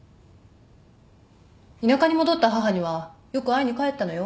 田舎に戻った母にはよく会いに帰ったのよ。